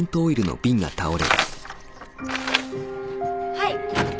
・はい。